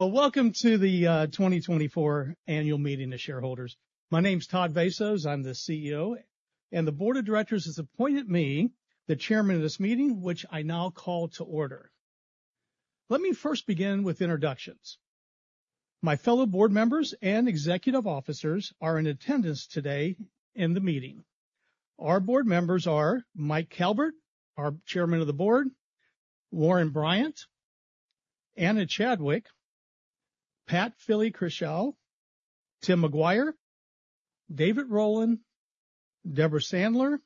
Well, welcome to the 2024 Annual Meeting of Shareholders. My name's Todd Vasos, I'm the CEO, and the board of directors has appointed me the chairman of this meeting, which I now call to order. Let me first begin with introductions. My fellow board members and executive officers are in attendance today in the meeting. Our board members are Michael Calbert, our Chairman of the Board, Warren Bryant, Ana Chadwick, Patricia Fili-Krushel, Timothy McGuire, David Rowland, Debra Sandler,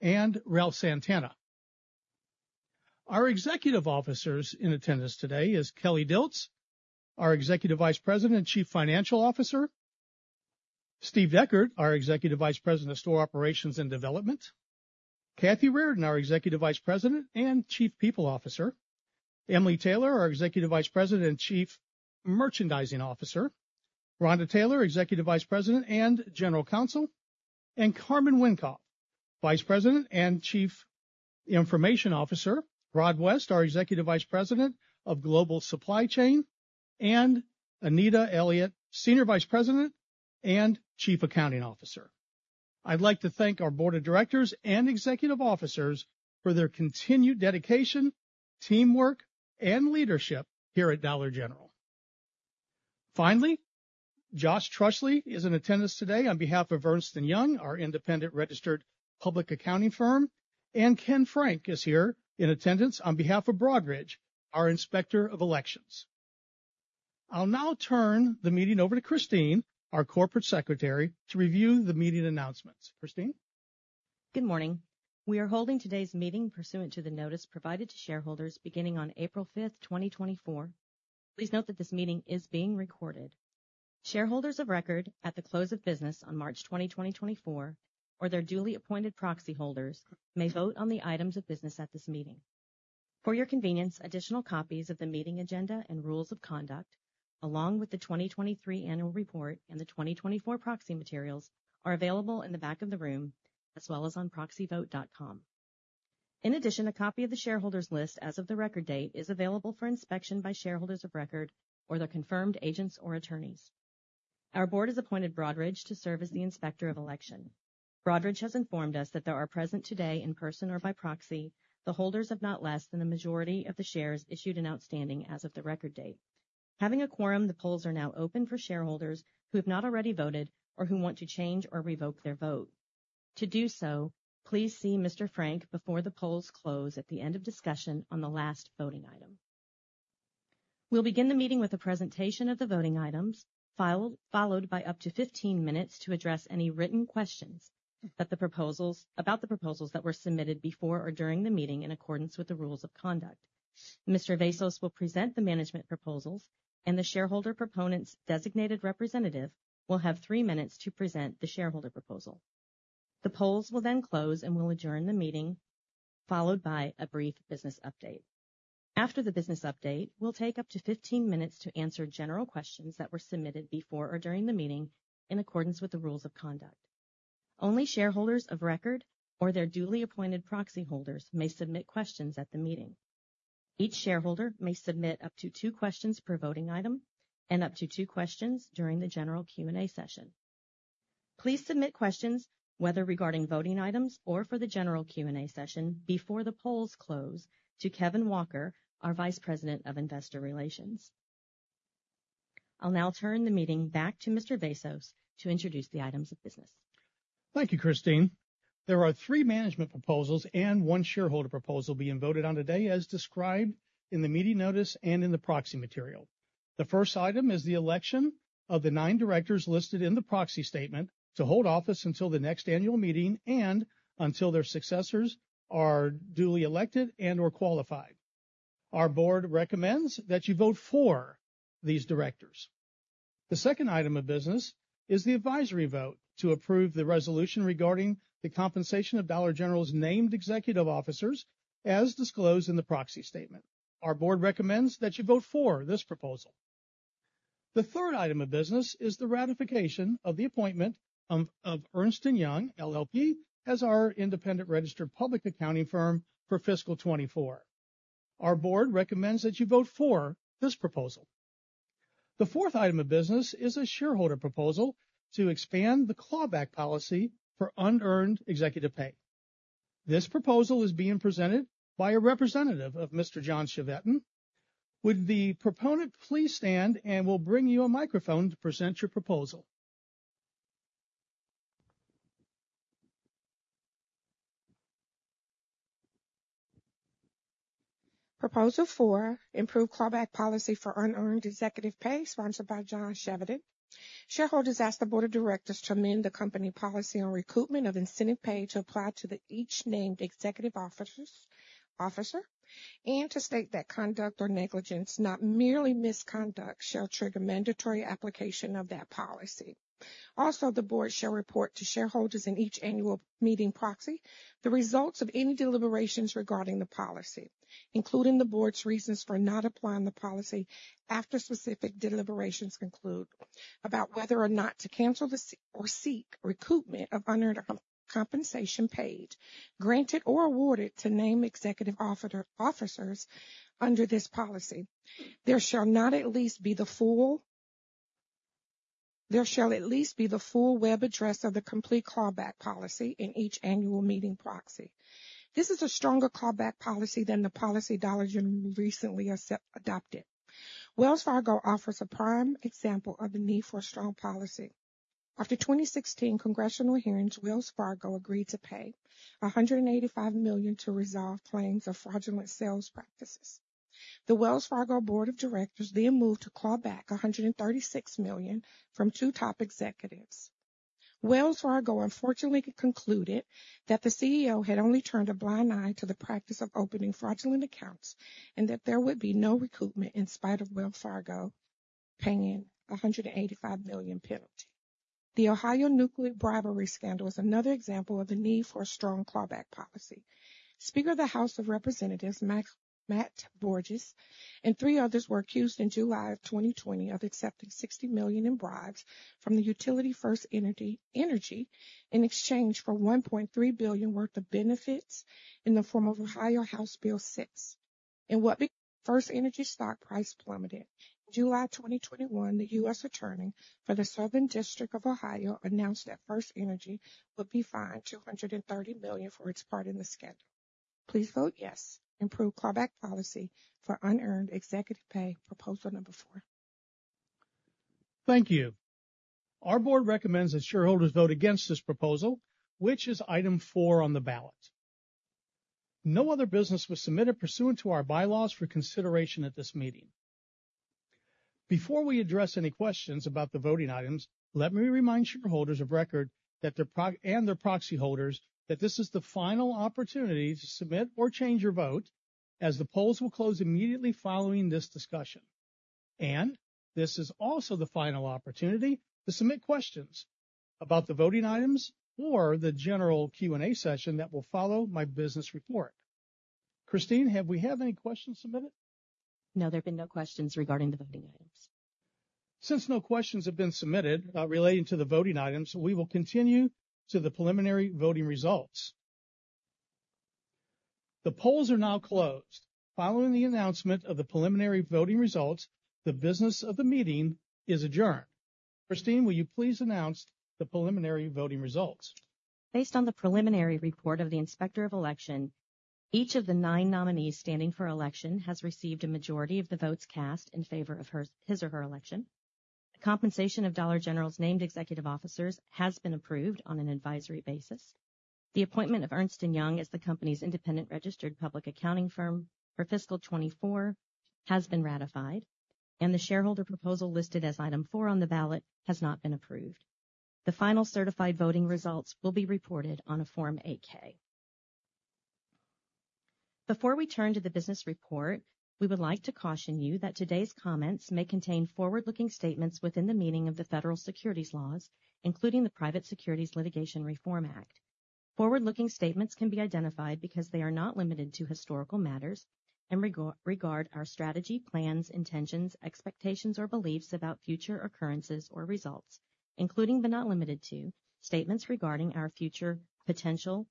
and Ralph Santana. Our executive officers in attendance today is Kelly Dilts, our Executive Vice President and Chief Financial Officer, Steve Deckard, our Executive Vice President of Store Operations and Development, Kathleen Reardon, our Executive Vice President and Chief People Officer, Emily Taylor, our Executive Vice President and Chief Merchandising Officer, Rhonda Taylor, Executive Vice President and General Counsel, and Carman Wenkoff, Vice President and Chief Information Officer, Rod West, our Executive Vice President of Global Supply Chain, and Anita Elliott, Senior Vice President and Chief Accounting Officer. I'd like to thank our board of directors and executive officers for their continued dedication, teamwork, and leadership here at Dollar General. Finally, Josh Trusley is in attendance today on behalf of Ernst & Young, our independent registered public accounting firm, and Ken Frank is here in attendance on behalf of Broadridge, our Inspector of Elections. I'll now turn the meeting over to Christine, our Corporate Secretary, to review the meeting announcements. Christine? Good morning. We are holding today's meeting pursuant to the notice provided to shareholders beginning on April 5, 2024. Please note that this meeting is being recorded. Shareholders of record at the close of business on March 20, 2024, or their duly appointed proxy holders, may vote on the items of business at this meeting. For your convenience, additional copies of the meeting agenda and rules of conduct, along with the 2023 annual report and the 2024 proxy materials, are available in the back of the room as well as on proxyvote.com. In addition, a copy of the shareholders list as of the record date is available for inspection by shareholders of record or their confirmed agents or attorneys. Our board has appointed Broadridge to serve as the Inspector of Election. Broadridge has informed us that there are present today in person or by proxy, the holders of not less than the majority of the shares issued and outstanding as of the record date. Having a quorum, the polls are now open for shareholders who have not already voted or who want to change or revoke their vote. To do so, please see Mr. Frank before the polls close at the end of discussion on the last voting item. We'll begin the meeting with a presentation of the voting items, followed by up to 15 minutes to address any written questions about the proposals that were submitted before or during the meeting in accordance with the rules of conduct. Mr. Vasos will present the management proposals, and the shareholder proponent's designated representative will have 3 minutes to present the shareholder proposal. The polls will then close, and we'll adjourn the meeting, followed by a brief business update. After the business update, we'll take up to 15 minutes to answer general questions that were submitted before or during the meeting in accordance with the rules of conduct. Only shareholders of record or their duly appointed proxy holders may submit questions at the meeting. Each shareholder may submit up to two questions per voting item and up to two questions during the general Q&A session. Please submit questions, whether regarding voting items or for the general Q&A session, before the polls close to Kevin Walker, our Vice President of Investor Relations. I'll now turn the meeting back to Mr. Vasos to introduce the items of business. Thank you, Christine. There are three management proposals and one shareholder proposal being voted on today, as described in the meeting notice and in the proxy material. The first item is the election of the nine directors listed in the proxy statement to hold office until the next annual meeting and until their successors are duly elected and/or qualified. Our board recommends that you vote for these directors. The second item of business is the advisory vote to approve the resolution regarding the compensation of Dollar General's named executive officers, as disclosed in the proxy statement. Our board recommends that you vote for this proposal. The third item of business is the ratification of the appointment of Ernst & Young LLP as our independent registered public accounting firm for fiscal 2024. Our board recommends that you vote for this proposal. The fourth item of business is a shareholder proposal to expand the clawback policy for unearned executive pay. This proposal is being presented by a representative of Mr. John Chevedden. Would the proponent please stand, and we'll bring you a microphone to present your proposal? Proposal four, improve clawback policy for unearned executive pay, sponsored by John Chevedden. Shareholders ask the board of directors to amend the company policy on recoupment of incentive pay to apply to each named executive officer, and to state that conduct or negligence, not merely misconduct, shall trigger mandatory application of that policy. Also, the board shall report to shareholders in each annual meeting proxy the results of any deliberations regarding the policy, including the board's reasons for not applying the policy after specific deliberations conclude about whether or not to cancel or seek recoupment of unearned compensation paid, granted or awarded to named executive officers under this policy. There shall at least be the full web address of the complete clawback policy in each annual meeting proxy. This is a stronger clawback policy than the policy Dollar General recently accepted, adopted. Wells Fargo offers a prime example of the need for a strong policy. After 2016 congressional hearings, Wells Fargo agreed to pay $185 million to resolve claims of fraudulent sales practices. The Wells Fargo Board of Directors then moved to claw back $136 million from two top executives. Wells Fargo, unfortunately, concluded that the CEO had only turned a blind eye to the practice of opening fraudulent accounts and that there would be no recoupment in spite of Wells Fargo paying a $185 million penalty. The Ohio nuclear bribery scandal is another example of the need for a strong clawback policy. Speaker of the House of Representatives, Max, Matt Borges, and three others were accused in July 2020 of accepting $60 million in bribes from the utility FirstEnergy in exchange for $1.3 billion worth of benefits in the form of Ohio House Bill 6. In what FirstEnergy stock price plummeted, in July 2021, the U.S. Attorney for the Southern District of Ohio announced that FirstEnergy would be fined $230 million for its part in the scandal. Please vote yes. Improve clawback policy for unearned executive pay, proposal number four. Thank you. Our board recommends that shareholders vote against this proposal, which is item four on the ballot. No other business was submitted pursuant to our bylaws for consideration at this meeting. Before we address any questions about the voting items, let me remind shareholders of record that their proxy, and their proxy holders, that this is the final opportunity to submit or change your vote, as the polls will close immediately following this discussion. And this is also the final opportunity to submit questions about the voting items or the general Q&A session that will follow my business report. Christine, have we had any questions submitted? No, there have been no questions regarding the voting items. Since no questions have been submitted, relating to the voting items, we will continue to the preliminary voting results. The polls are now closed. Following the announcement of the preliminary voting results, the business of the meeting is adjourned. Christine, will you please announce the preliminary voting results? Based on the preliminary report of the Inspector of Election, each of the 9 nominees standing for election has received a majority of the votes cast in favor of hers, his or her election. The compensation of Dollar General's named executive officers has been approved on an advisory basis. The appointment of Ernst & Young as the company's independent registered public accounting firm for fiscal 2024 has been ratified, and the shareholder proposal, listed as item four on the ballot, has not been approved. The final certified voting results will be reported on a Form 8-K. Before we turn to the business report, we would like to caution you that today's comments may contain forward-looking statements within the meaning of the federal securities laws, including the Private Securities Litigation Reform Act. Forward-looking statements can be identified because they are not limited to historical matters and regard our strategy, plans, intentions, expectations, or beliefs about future occurrences or results, including but not limited to, statements regarding our future potential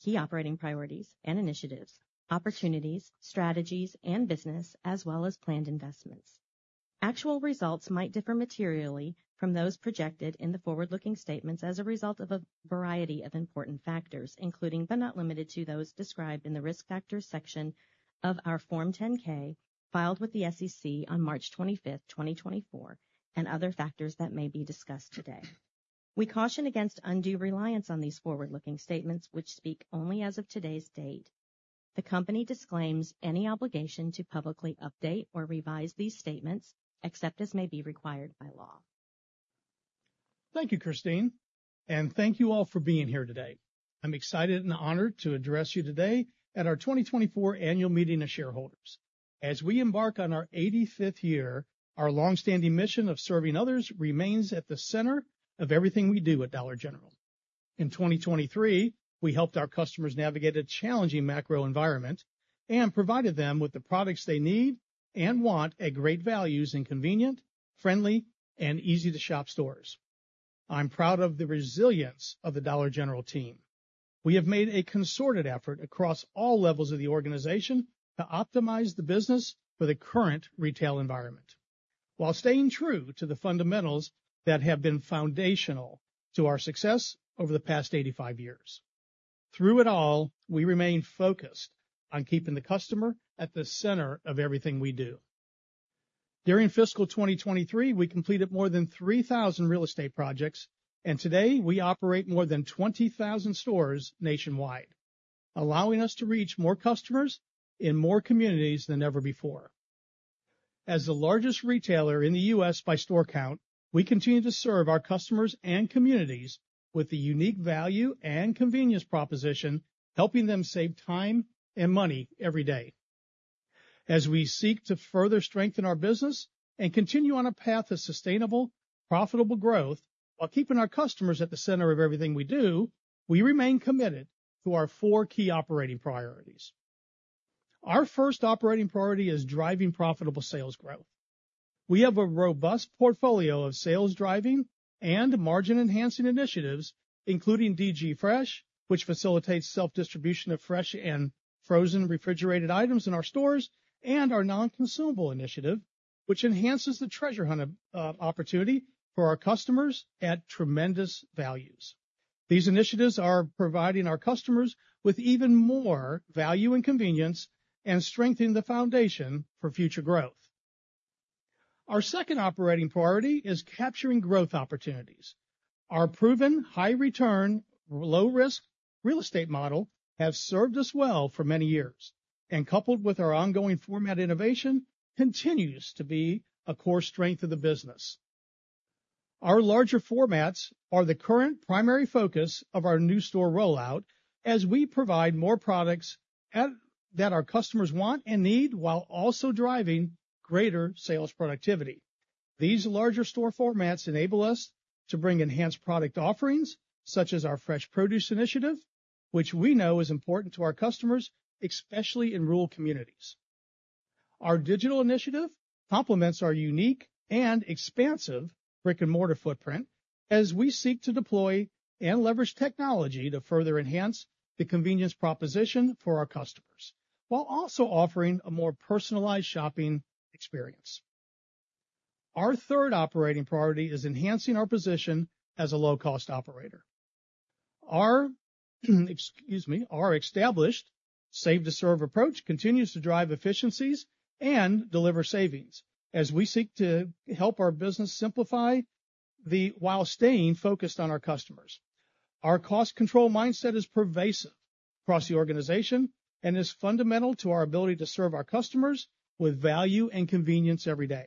key operating priorities and initiatives, opportunities, strategies, and business, as well as planned investments. Actual results might differ materially from those projected in the forward-looking statements as a result of a variety of important factors, including but not limited to, those described in the Risk Factors section of our Form 10-K, filed with the SEC on March 25, 2024, and other factors that may be discussed today. We caution against undue reliance on these forward-looking statements, which speak only as of today's date. The company disclaims any obligation to publicly update or revise these statements, except as may be required by law. Thank you, Christine, and thank you all for being here today. I'm excited and honored to address you today at our 2024 Annual Meeting of Shareholders. As we embark on our 85th year, our long-standing mission of serving others remains at the center of everything we do at Dollar General. In 2023, we helped our customers navigate a challenging macro environment and provided them with the products they need and want at great values in convenient, friendly, and easy-to-shop stores. I'm proud of the resilience of the Dollar General team. We have made a concerted effort across all levels of the organization to optimize the business for the current retail environment, while staying true to the fundamentals that have been foundational to our success over the past 85 years. Through it all, we remain focused on keeping the customer at the center of everything we do. During fiscal 2023, we completed more than 3,000 real estate projects, and today we operate more than 20,000 stores nationwide, allowing us to reach more customers in more communities than ever before. As the largest retailer in the U.S. by store count, we continue to serve our customers and communities with the unique value and convenience proposition, helping them save time and money every day. As we seek to further strengthen our business and continue on a path of sustainable, profitable growth while keeping our customers at the center of everything we do, we remain committed to our four key operating priorities. Our first operating priority is driving profitable sales growth. We have a robust portfolio of sales-driving and margin-enhancing initiatives, including DG Fresh, which facilitates self-distribution of fresh and-... frozen and refrigerated items in our stores, and our Non-Consumable Initiative, which enhances the treasure hunt opportunity for our customers at tremendous values. These initiatives are providing our customers with even more value and convenience, and strengthening the foundation for future growth. Our second operating priority is capturing growth opportunities. Our proven high return, low risk real estate model has served us well for many years, and coupled with our ongoing format innovation, continues to be a core strength of the business. Our larger formats are the current primary focus of our new store rollout as we provide more products that our customers want and need, while also driving greater sales productivity. These larger store formats enable us to bring enhanced product offerings, such as our fresh produce initiative, which we know is important to our customers, especially in rural communities. Our digital initiative complements our unique and expansive brick-and-mortar footprint as we seek to deploy and leverage technology to further enhance the convenience proposition for our customers, while also offering a more personalized shopping experience. Our third operating priority is enhancing our position as a low-cost operator. Our, excuse me, our established Save-to-Serve approach continues to drive efficiencies and deliver savings as we seek to help our business simplify, while staying focused on our customers. Our cost control mindset is pervasive across the organization and is fundamental to our ability to serve our customers with value and convenience every day.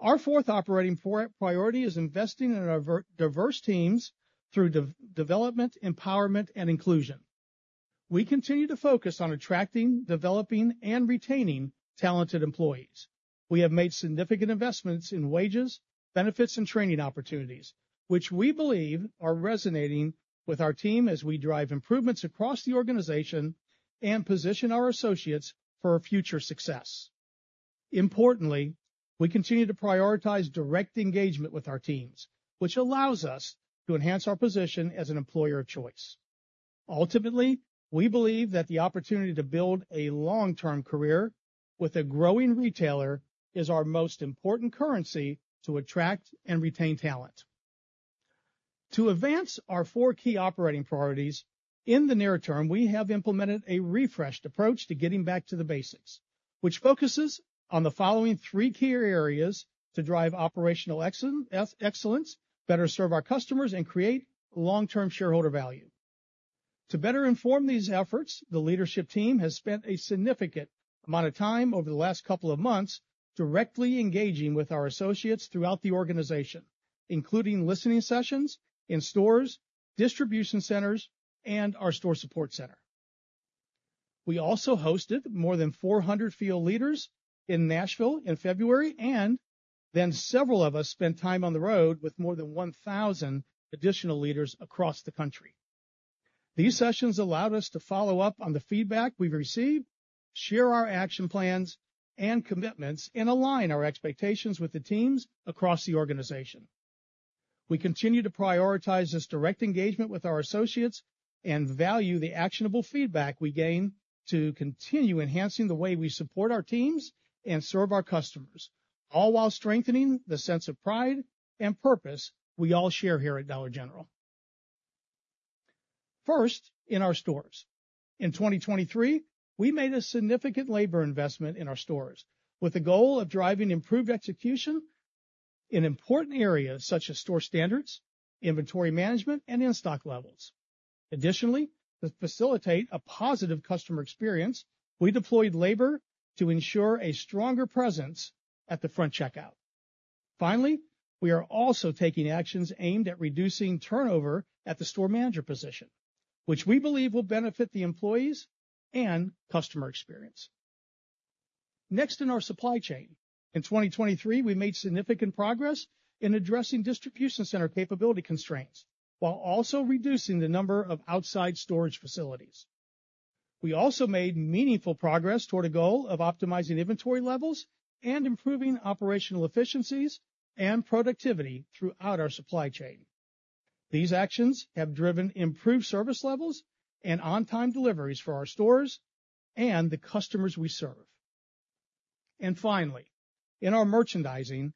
Our fourth operating priority is investing in our diverse teams through development, empowerment, and inclusion. We continue to focus on attracting, developing, and retaining talented employees. We have made significant investments in wages, benefits, and training opportunities, which we believe are resonating with our team as we drive improvements across the organization and position our associates for our future success. Importantly, we continue to prioritize direct engagement with our teams, which allows us to enhance our position as an employer of choice. Ultimately, we believe that the opportunity to build a long-term career with a growing retailer is our most important currency to attract and retain talent. To advance our four key operating priorities, in the near term, we have implemented a refreshed approach to getting back to the basics, which focuses on the following three key areas to drive operational excellence, better serve our customers, and create long-term shareholder value. To better inform these efforts, the leadership team has spent a significant amount of time over the last couple of months directly engaging with our associates throughout the organization, including listening sessions in stores, distribution centers, and our store support center. We also hosted more than 400 field leaders in Nashville in February, and then several of us spent time on the road with more than 1,000 additional leaders across the country. These sessions allowed us to follow up on the feedback we've received, share our action plans and commitments, and align our expectations with the teams across the organization. We continue to prioritize this direct engagement with our associates and value the actionable feedback we gain to continue enhancing the way we support our teams and serve our customers, all while strengthening the sense of pride and purpose we all share here at Dollar General. First, in our stores. In 2023, we made a significant labor investment in our stores with the goal of driving improved execution in important areas such as store standards, inventory management, and in-stock levels. Additionally, to facilitate a positive customer experience, we deployed labor to ensure a stronger presence at the front checkout. Finally, we are also taking actions aimed at reducing turnover at the store manager position, which we believe will benefit the employees and customer experience. Next, in our supply chain. In 2023, we made significant progress in addressing distribution center capability constraints, while also reducing the number of outside storage facilities. We also made meaningful progress toward a goal of optimizing inventory levels and improving operational efficiencies and productivity throughout our supply chain. These actions have driven improved service levels and on-time deliveries for our stores and the customers we serve. And finally, in our merchandising,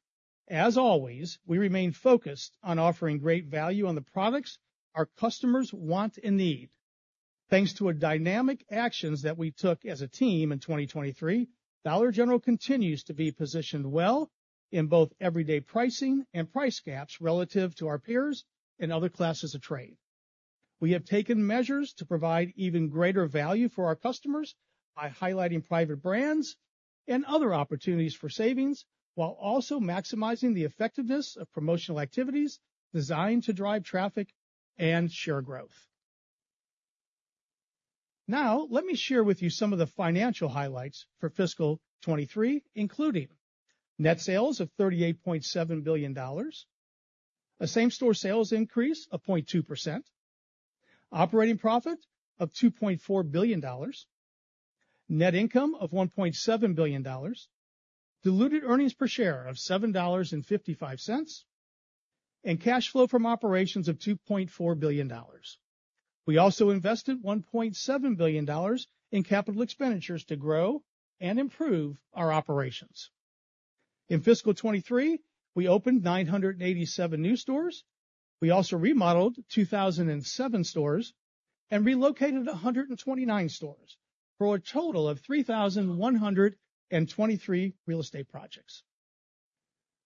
as always, we remain focused on offering great value on the products our customers want and need. Thanks to a dynamic actions that we took as a team in 2023, Dollar General continues to be positioned well in both everyday pricing and price gaps relative to our peers and other classes of trade. We have taken measures to provide even greater value for our customers by highlighting private brands and other opportunities for savings, while also maximizing the effectiveness of promotional activities designed to drive traffic and share growth. Now, let me share with you some of the financial highlights for fiscal 2023, including net sales of $38.7 billion, a same-store sales increase of 0.2%, operating profit of $2.4 billion.... net income of $1.7 billion, diluted earnings per share of $7.55, and cash flow from operations of $2.4 billion. We also invested $1.7 billion in capital expenditures to grow and improve our operations. In fiscal 2023, we opened 987 new stores. We also remodeled 2,007 stores and relocated 129 stores, for a total of 3,123 real estate projects.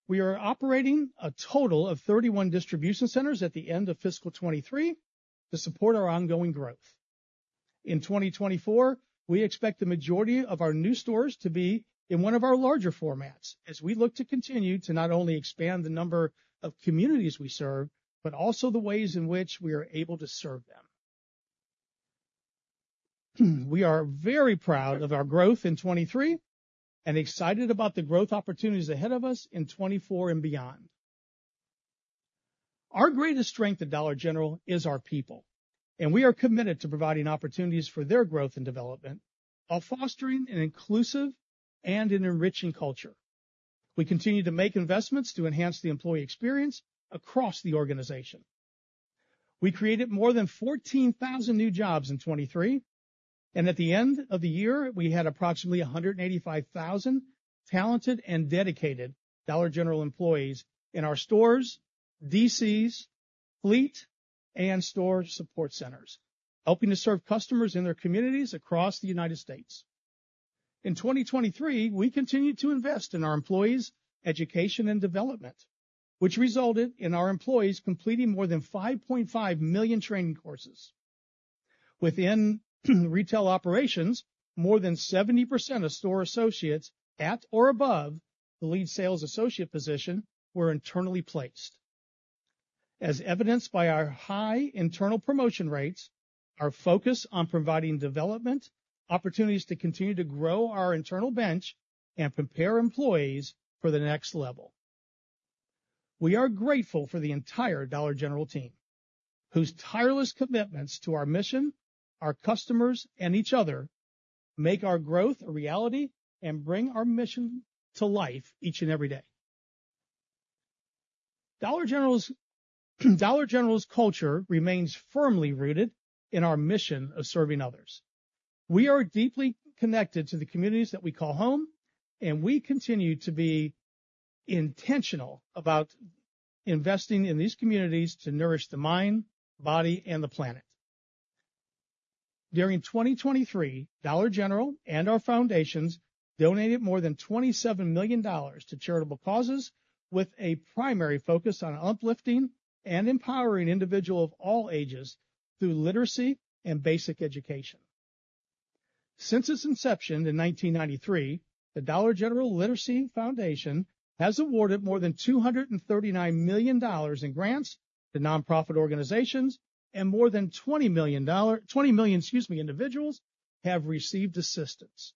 We are operating a total of 31 distribution centers at the end of fiscal 2023 to support our ongoing growth. In 2024, we expect the majority of our new stores to be in one of our larger formats as we look to continue to not only expand the number of communities we serve, but also the ways in which we are able to serve them. We are very proud of our growth in 2023 and excited about the growth opportunities ahead of us in 2024 and beyond. Our greatest strength at Dollar General is our people, and we are committed to providing opportunities for their growth and development while fostering an inclusive and an enriching culture. We continue to make investments to enhance the employee experience across the organization. We created more than 14,000 new jobs in 2023, and at the end of the year, we had approximately 185,000 talented and dedicated Dollar General employees in our stores, DCs, fleet, and store support centers, helping to serve customers in their communities across the United States. In 2023, we continued to invest in our employees' education and development, which resulted in our employees completing more than 5.5 million training courses. Within retail operations, more than 70% of store associates at or above the lead sales associate position were internally placed. As evidenced by our high internal promotion rates, our focus on providing development opportunities to continue to grow our internal bench and prepare employees for the next level. We are grateful for the entire Dollar General team, whose tireless commitments to our mission, our customers, and each other make our growth a reality and bring our mission to life each and every day. Dollar General's, Dollar General's culture remains firmly rooted in our mission of serving others. We are deeply connected to the communities that we call home, and we continue to be intentional about investing in these communities to nourish the mind, body, and the planet. During 2023, Dollar General and our foundations donated more than $27 million to charitable causes, with a primary focus on uplifting and empowering individuals of all ages through literacy and basic education. Since its inception in 1993, the Dollar General Literacy Foundation has awarded more than $239 million in grants to nonprofit organizations, and more than 20 million individuals have received assistance.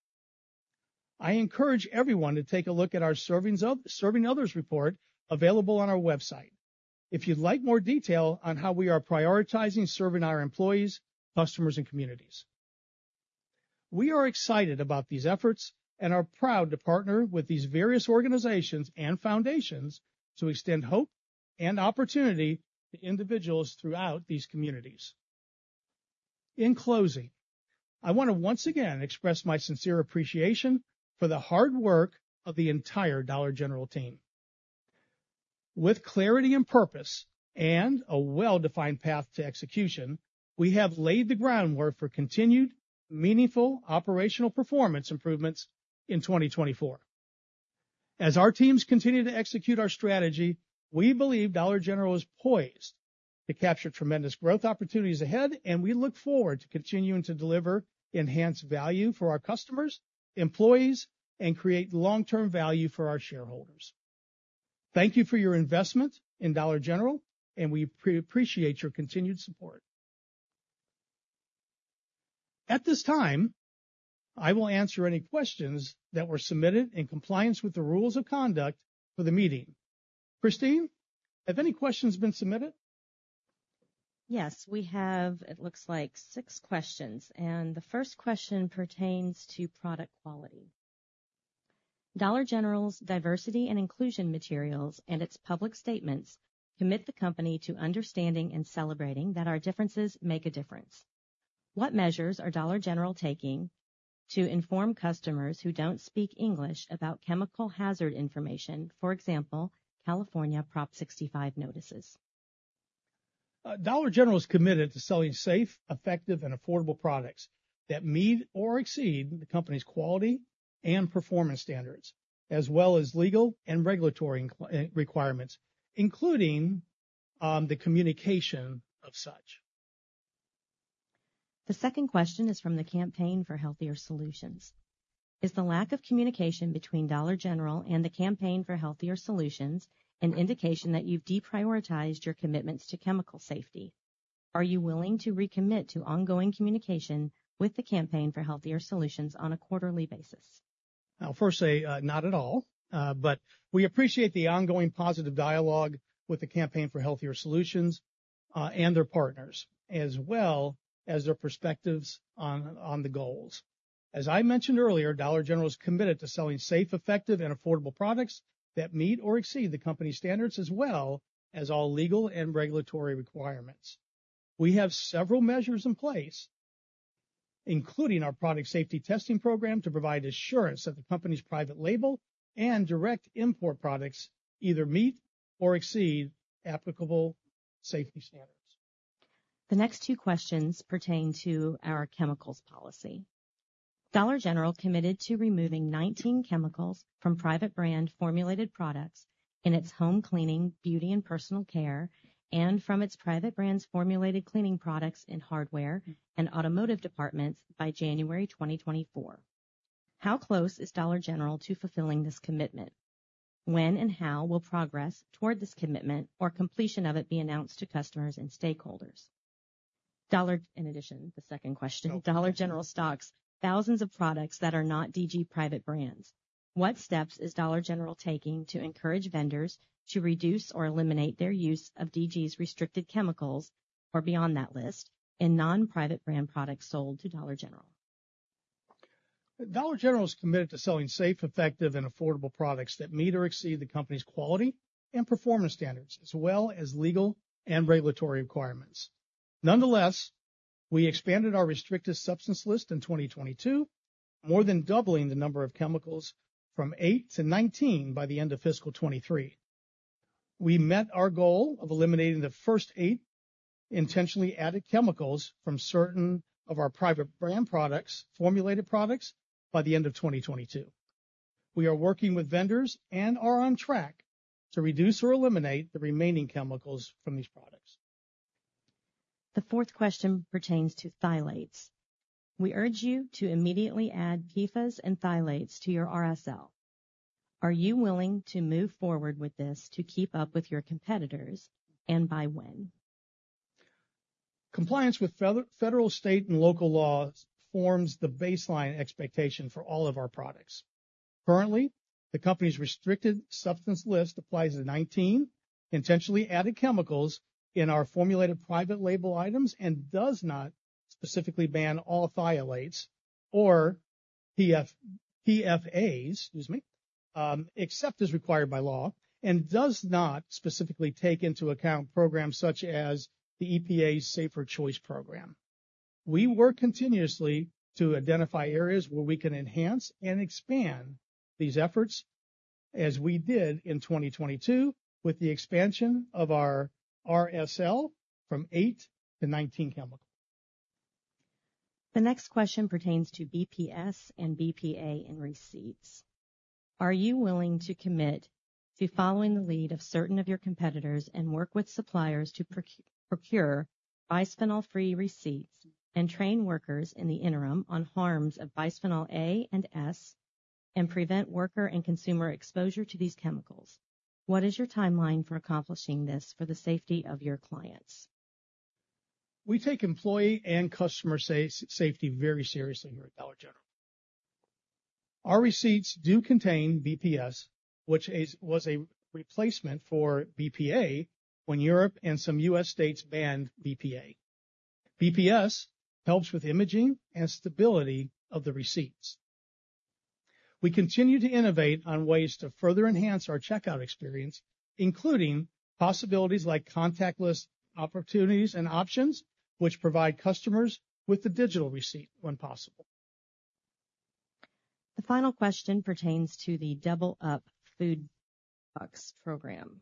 I encourage everyone to take a look at our Serving Others report, available on our website if you'd like more detail on how we are prioritizing serving our employees, customers, and communities. We are excited about these efforts and are proud to partner with these various organizations and foundations to extend hope and opportunity to individuals throughout these communities. In closing, I want to once again express my sincere appreciation for the hard work of the entire Dollar General team. With clarity and purpose and a well-defined path to execution, we have laid the groundwork for continued meaningful operational performance improvements in 2024. As our teams continue to execute our strategy, we believe Dollar General is poised to capture tremendous growth opportunities ahead, and we look forward to continuing to deliver enhanced value for our customers, employees, and create long-term value for our shareholders. Thank you for your investment in Dollar General, and we appreciate your continued support. At this time, I will answer any questions that were submitted in compliance with the rules of conduct for the meeting. Christine, have any questions been submitted? Yes, we have, it looks like six questions, and the first question pertains to product quality. Dollar General's diversity and inclusion materials and its public statements commit the company to understanding and celebrating that our differences make a difference. What measures are Dollar General taking to inform customers who don't speak English about chemical hazard information, for example, California Prop 65 notices? Dollar General is committed to selling safe, effective, and affordable products that meet or exceed the company's quality and performance standards, as well as legal and regulatory requirements, including the communication of such. The second question is from the Campaign for Healthier Solutions. Is the lack of communication between Dollar General and the Campaign for Healthier Solutions an indication that you've deprioritized your commitments to chemical safety? Are you willing to recommit to ongoing communication with the Campaign for Healthier Solutions on a quarterly basis? I'll first say, not at all. But we appreciate the ongoing positive dialogue with the Campaign for Healthier Solutions, and their partners, as well as their perspectives on the goals. As I mentioned earlier, Dollar General is committed to selling safe, effective, and affordable products that meet or exceed the company's standards, as well as all legal and regulatory requirements. We have several measures in place, including our product safety testing program, to provide assurance that the company's private label and direct import products either meet or exceed applicable safety standards. The next two questions pertain to our chemicals policy. Dollar General committed to removing 19 chemicals from private brand formulated products in its home cleaning, beauty, and personal care, and from its private brands formulated cleaning products in hardware and automotive departments by January 2024. How close is Dollar General to fulfilling this commitment? When and how will progress toward this commitment or completion of it be announced to customers and stakeholders? In addition, the second question: Dollar General stocks thousands of products that are not DG private brands. What steps is Dollar General taking to encourage vendors to reduce or eliminate their use of DG's restricted chemicals, or beyond that list, in non-private brand products sold to Dollar General? Dollar General is committed to selling safe, effective, and affordable products that meet or exceed the company's quality and performance standards, as well as legal and regulatory requirements. Nonetheless, we expanded our restricted substance list in 2022, more than doubling the number of chemicals from 8 to 19 by the end of fiscal 2023. We met our goal of eliminating the first 8 intentionally added chemicals from certain of our private brand products, formulated products, by the end of 2022. We are working with vendors and are on track to reduce or eliminate the remaining chemicals from these products. The fourth question pertains to phthalates. We urge you to immediately add PFAS and phthalates to your RSL. Are you willing to move forward with this to keep up with your competitors, and by when? Compliance with federal, state, and local laws forms the baseline expectation for all of our products. Currently, the company's Restricted Substance List applies to 19 intentionally added chemicals in our formulated private label items and does not specifically ban all phthalates or PFAS, excuse me, except as required by law, and does not specifically take into account programs such as the EPA's Safer Choice Program. We work continuously to identify areas where we can enhance and expand these efforts, as we did in 2022 with the expansion of our RSL from 8 to 19 chemicals. The next question pertains to BPS and BPA in receipts. Are you willing to commit to following the lead of certain of your competitors and work with suppliers to procure bisphenol-free receipts and train workers in the interim on harms of bisphenol A and S, and prevent worker and consumer exposure to these chemicals? What is your timeline for accomplishing this for the safety of your clients? We take employee and customer safety very seriously here at Dollar General. Our receipts do contain BPS, which is, was a replacement for BPA when Europe and some U.S. states banned BPA. BPS helps with imaging and stability of the receipts. We continue to innovate on ways to further enhance our checkout experience, including possibilities like contactless opportunities and options, which provide customers with the digital receipt when possible. The final question pertains to the Double Up Food Bucks program.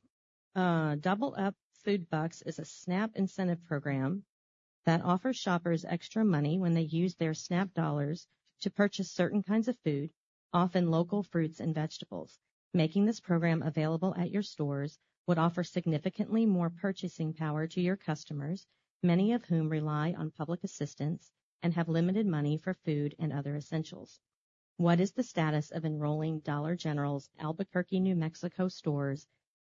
Double Up Food Bucks is a SNAP incentive program that offers shoppers extra money when they use their SNAP dollars to purchase certain kinds of food, often local fruits and vegetables. Making this program available at your stores would offer significantly more purchasing power to your customers, many of whom rely on public assistance and have limited money for food and other essentials. What is the status of enrolling Dollar General's Albuquerque, New Mexico, stores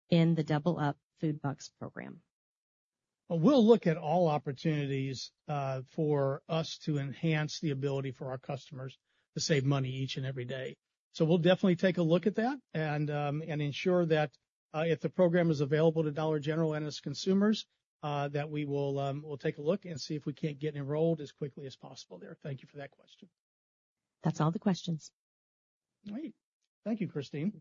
in the Double Up Food Bucks program? We'll look at all opportunities for us to enhance the ability for our customers to save money each and every day. So we'll definitely take a look at that and ensure that if the program is available to Dollar General and its consumers, that we will take a look and see if we can't get enrolled as quickly as possible there. Thank you for that question. That's all the questions. All right. Thank you, Christine.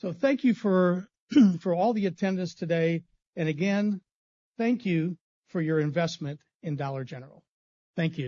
So thank you for, for all the attendance today. And again, thank you for your investment in Dollar General. Thank you.